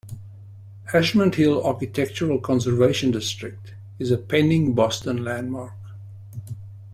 Ashmont Hill Architectural Conservation District is a pending Boston Landmark.